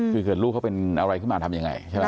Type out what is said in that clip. คือเกิดลูกเขาเป็นอะไรขึ้นมาทำยังไงใช่ไหม